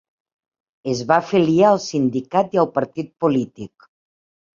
Es va afiliar al sindicat i al partit polític.